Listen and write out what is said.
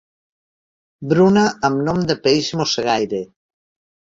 Bruna amb nom de peix mossegaire.